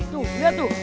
tuh lihat tuh